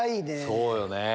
そうよね。